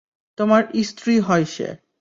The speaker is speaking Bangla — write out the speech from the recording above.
তোমার স্ত্রী হয় সে।